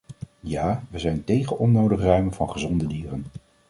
Ja, we zijn tegen onnodig ruimen van gezonde dieren.